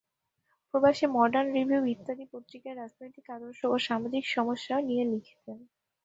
প্রবাসী, Modern Review ইত্যাদি পত্রিকায় রাজনৈতিক আদর্শ ও সামাজিক সমস্যা নিয়ে লিখতেন।